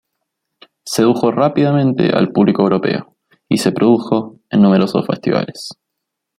Sedujo rápidamente al público europeo y se produjo en numerosos festivales.